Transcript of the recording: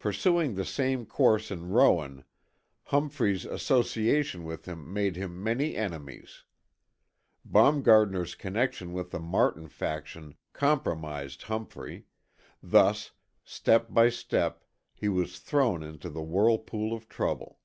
Pursuing the same course in Rowan, Humphrey's association with him made him many enemies. Baumgartner's connection with the Martin faction compromised Humphrey; thus step by step he was thrown into the whirlpool of trouble.